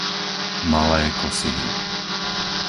Malé Kosihy